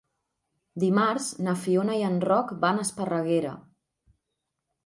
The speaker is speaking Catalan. Dimarts na Fiona i en Roc van a Esparreguera.